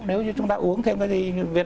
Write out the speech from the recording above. nếu như chúng ta uống thêm cái gì